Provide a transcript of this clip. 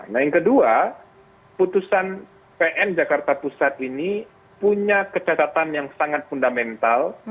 nah yang kedua putusan pn jakarta pusat ini punya kecatatan yang sangat fundamental